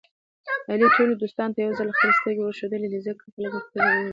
علي ټولو دوستانو ته یوځل خپلې سترګې ورښودلې دي. ځکه خلک تر وېرېږي.